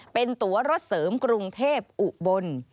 เป็นตัวรถเสริมกรุงเทพอุบล